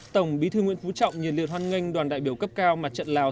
tổng bí thư nguyễn phú trọng nhiệt liệt hoan nghênh đoàn đại biểu cấp cao mặt trận lào